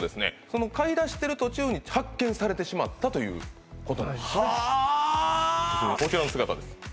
その買い出ししてる途中に発見されてしまったということなんですねこちらの姿です